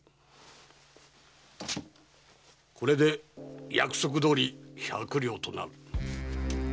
これで約束どおり百両となる。